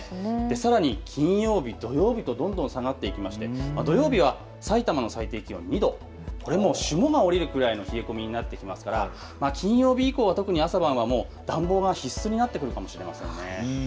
さらに金曜日、土曜日とどんどん下がっていきまして土曜日はさいたま最低気温２度、これは霜が降りくらいの冷え込みになっていまして金曜日以降、朝晩は暖房が必須になってくるかもしれません。